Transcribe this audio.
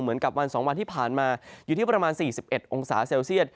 เหมือนกับวัน๒วันที่ผ่านมาอยู่ที่ประมาณ๔๑องศาเซลเซียต